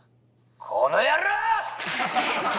この野郎！